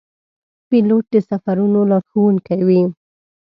پیلوټ د سفرونو لارښوونکی وي.